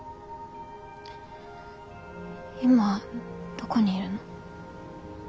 今どこにいるの？